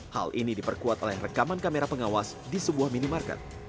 hal ini diperkuat oleh rekaman kamera pengawas di sebuah minimarket